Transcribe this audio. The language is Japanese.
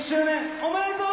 おめでとう！